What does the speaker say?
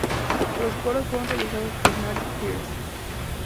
Los coros fueron realizados por Mary Pearce.